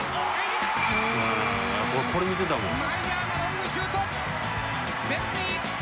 これ見てたもん。